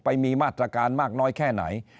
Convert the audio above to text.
ไปมีมาตรการมากน้อยแค่ไหน